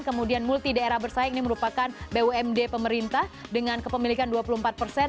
kemudian multi daerah bersaing ini merupakan bumd pemerintah dengan kepemilikan dua puluh empat persen